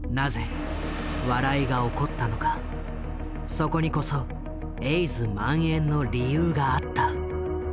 そこにこそエイズまん延の理由があった。